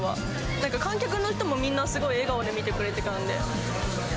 なんか観客の人もみんなすごい笑顔で見てくれてたんで。